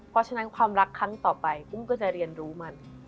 เพราะฉะนั้นความรักครั้งต่อไปอุ้มก็จะเรียนรู้มัน